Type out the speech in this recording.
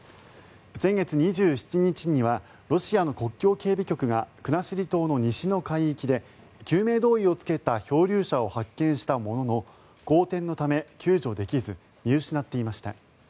先月２７日にはロシアの国境警備局が国後島の西の海域で救命胴衣を着けた漂流者を発見したものの荒天のため救助できず見失っていました。